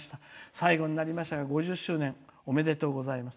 最後になりましたが５０周年おめでとうございます」。